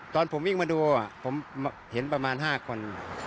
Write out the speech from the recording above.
ตอนผมวิ่งมาดูผมเห็นประมาณ๕คน